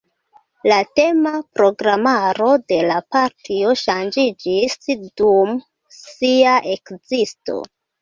La tema programaro de la partio ŝanĝiĝis dum sia ekzisto.